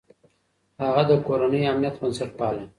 هغه د کورنۍ امنيت بنسټ باله.